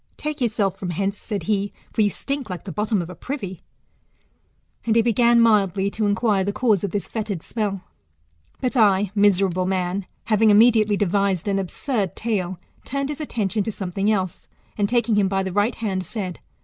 Take yourself from hence, said he, for you stink like the GOLDEN ASS, Or APULEIUS. — BOOK L It bottom of a privy ; and he b^n mildly to inquire the cause of this fetid smell. But I, miserable man, having immediately devised an absurd tale, turned his attention to something else, and, taking him by the right hand, said.